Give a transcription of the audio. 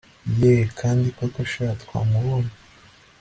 yeeh kandi koko sha twamubonye